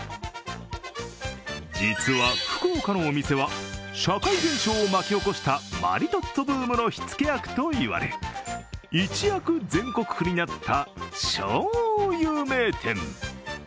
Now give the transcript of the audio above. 実は福岡のお店は社会現象を巻き起こしたマリトッツォブームの火付け役と言われ一躍全国区になった超有名店。